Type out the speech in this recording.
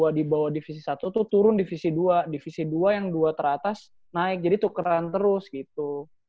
di bawah divisi satu tuh turun divisi dua divisi dua yang dua teratas naik jadi tukeran terus gitu